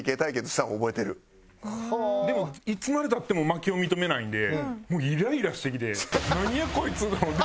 でもいつまで経っても負けを認めないんでもうイライラしてきてなんやこいつ！と思って。